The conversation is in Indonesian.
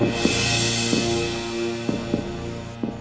untuk mempertahankan rara